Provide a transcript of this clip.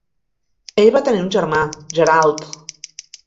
Ell va tenir un germà, Gerald.